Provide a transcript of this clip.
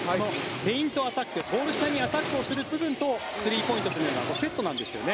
フェイントアタックゴール下にアタックする部分とスリーポイントというのはセットなんですよね。